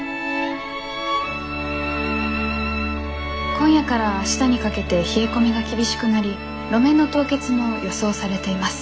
今夜から明日にかけて冷え込みが厳しくなり路面の凍結も予想されています。